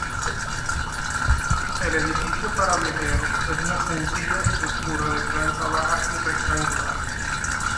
El edificio para viajeros es una sencilla estructura de planta baja y rectangular.